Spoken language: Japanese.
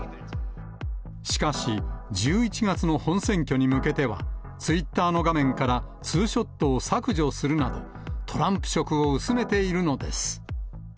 しかし、１１月の本選挙に向けては、ツイッターの画面からツーショットを削除するなど、トランプ色を薄めているのです。